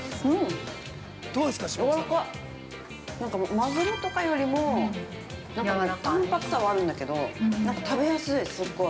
マグロとかよりも淡白さはあるんだけどなんか食べやすい、すっごい。